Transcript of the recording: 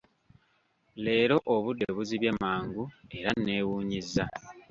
Leero obudde buzibye mangu era nneewuunyizza.